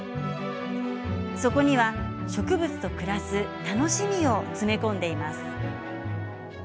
そこには植物と暮らす楽しみを詰め込んでいます。